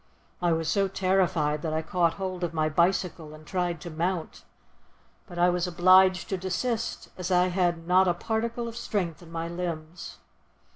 I was so terrified that I caught hold of my bicycle and tried to mount, but I was obliged to desist as I had not a particle of strength in my limbs.